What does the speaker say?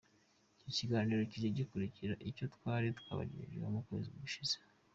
Iki kiganiro kije gikurikira icyo twari twabagejejeho mu kwezi gushize.